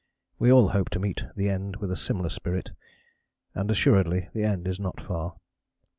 We all hope to meet the end with a similar spirit, and assuredly the end is not far.